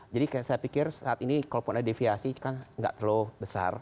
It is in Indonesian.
jadi saya pikir saat ini kalau pun ada deviasi kan enggak terlalu besar